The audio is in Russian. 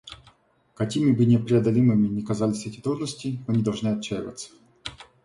Какими бы непреодолимыми ни казались эти трудности, мы не должны отчаиваться.